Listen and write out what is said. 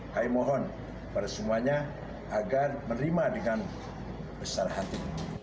kami mohon pada semuanya agar menerima dengan besar hati